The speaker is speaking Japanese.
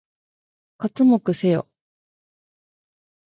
刮目せよ！